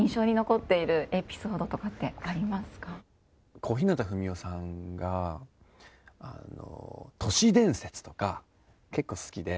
小日向文雄さんが都市伝説とか結構好きで。